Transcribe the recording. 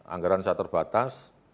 anggaran saya terbatas